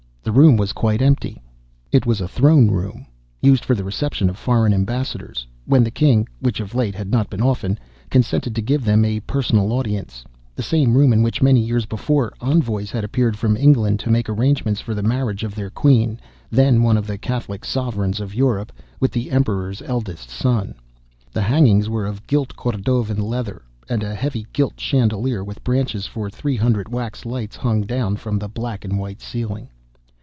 The room was quite empty. It was a throne room, used for the reception of foreign ambassadors, when the King, which of late had not been often, consented to give them a personal audience; the same room in which, many years before, envoys had appeared from England to make arrangements for the marriage of their Queen, then one of the Catholic sovereigns of Europe, with the Emperor's eldest son. The hangings were of gilt Cordovan leather, and a heavy gilt chandelier with branches for three hundred wax lights hung down from the black and white ceiling.